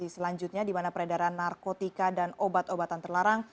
selanjutnya dimana peredaran narkotika dan obat obatan terlarang